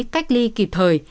cách ly kịp thời